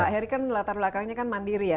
pak heri kan latar belakangnya kan mandiri ya